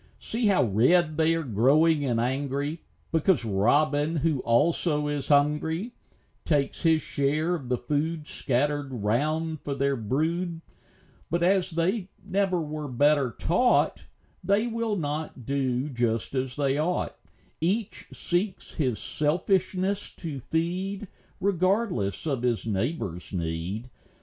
See how red they are growing, and angry, Because robin, who also is hungry, Takes his share of the food Scattered round for their brood ; But as they never were better taught, They will not do just as they ought: Each seeks his selfishness to feed, Regardless of his neighbor's need.